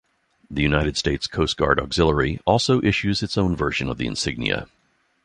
The United States Coast Guard Auxiliary also issues its own version of the insignia.